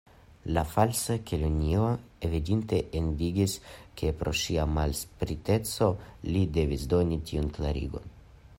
La Falsa Kelonio evidente indignis, ke pro ŝia malspriteco li devis doni tiun klarigon.